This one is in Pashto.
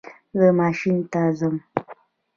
زه ماشین ته ځم